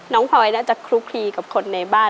พลอยน่าจะคลุกคลีกับคนในบ้าน